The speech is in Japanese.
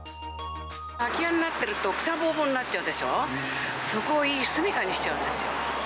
空き家になってると、草ぼうぼうになっちゃうでしょ、そこをいい住みかにしちゃうんですよ。